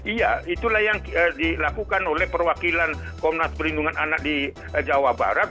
iya itulah yang dilakukan oleh perwakilan komnas perlindungan anak di jawa barat